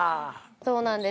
そうなんです。